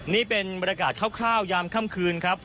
นี่เป็นบรรยากาศคร่าวยามค่ำคืนครับ